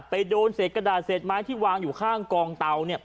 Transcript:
โดนเศษกระดาษเศษไม้ที่วางอยู่ข้างกองเตา